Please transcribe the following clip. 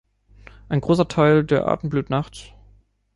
Ein großer Teil der Arten blüht nachts.